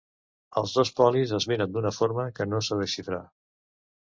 Els dos polis es miren d'una forma que no sé desxifrar.